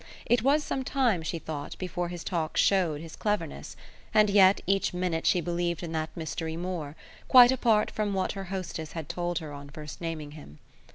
It was some time, she thought, before his talk showed his cleverness, and yet each minute she believed in that mystery more, quite apart from what her hostess had told her on first naming him.